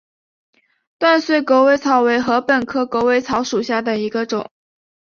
断穗狗尾草为禾本科狗尾草属下的一个种。